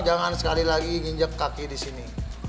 jangan sekali lagi nginjak kaki di sini